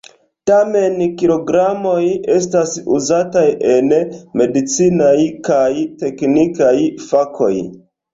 Tamen, kilogramoj estas uzataj en medicinaj kaj teknikaj fakoj.